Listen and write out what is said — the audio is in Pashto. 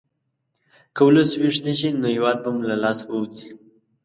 که ولس ویښ نه شي، نو هېواد به مو له لاسه ووځي.